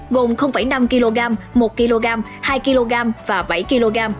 gồm năm kg một kg hai kg và bảy kg